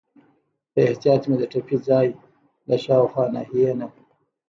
په احتیاط مې د ټپي ځای له شاوخوا ناحیې نه.